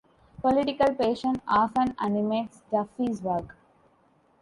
Political passion often animates Duffy's work.